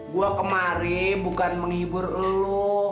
gue kemarin bukan menghibur lo